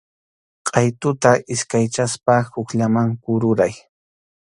Qʼaytuta iskaychaspa hukllaman kururay.